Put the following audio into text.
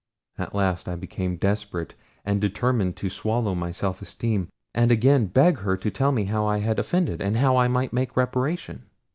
At last I became desperate, and determined to swallow my self esteem, and again beg her to tell me how I had offended, and how I might make reparation.